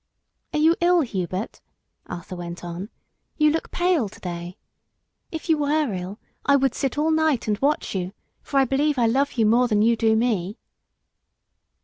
"Are you ill, Hubert?" Arthur went on. "You look pale to day. If you were ill I would sit all night and watch you, for I believe I love you more than you do me."